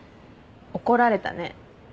怒られたね。